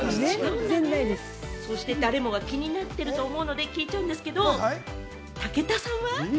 そして誰もが気になってると思うので聞いちゃうんですけど、武田さんは？